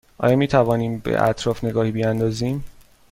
آیا می توانیم به اطراف نگاهی بیاندازیم؟